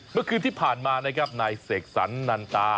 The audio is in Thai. เมื่อคืนที่ผ่านมานะครับนายเสกสรรนันตา